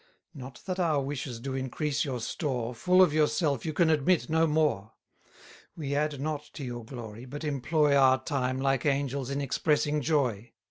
Not that our wishes do increase your store, Full of yourself, you can admit no more: We add not to your glory, but employ Our time, like angels, in expressing joy.